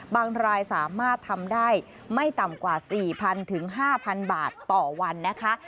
รายสามารถทำได้ไม่ต่ำกว่า๔๐๐๕๐๐บาทต่อวันนะคะ